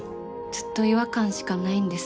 ずっと違和感しかないんです。